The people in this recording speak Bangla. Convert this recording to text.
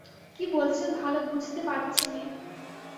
কী বলছেন ভালো বুঝতে পারছি নে।